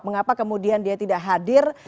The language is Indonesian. mengapa kemudian dia tidak hadir